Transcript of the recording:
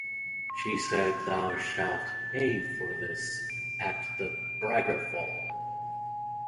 She said, "Thou shalt pay for this at the "bragarfull".